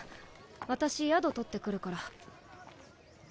私宿取ってくるから。